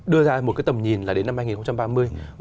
đưa ra một tầm nhìn đến năm hai nghìn ba mươi